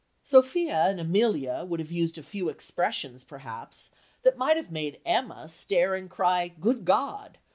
Sophia and Amelia would have used a few expressions, perhaps, that might have made Emma stare and cry "Good God!"